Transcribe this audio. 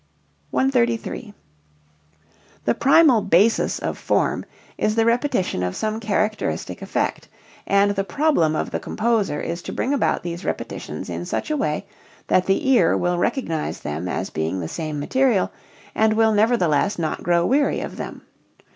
133. The primal basis of form is the repetition of some characteristic effect, and the problem of the composer is to bring about these repetitions in such a way that the ear will recognize them as being the same material and will nevertheless not grow weary of them.